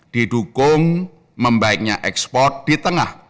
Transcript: didukung membaiknya ekspor di tengah